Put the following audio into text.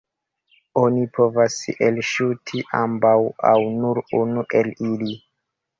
Oni povas elŝuti ambaŭ aŭ nur unu el ili.